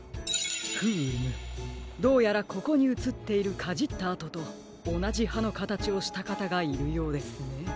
フームどうやらここにうつっているかじったあととおなじはのかたちをしたかたがいるようですね。